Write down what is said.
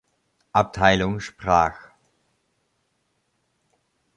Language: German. Abteilung sprach.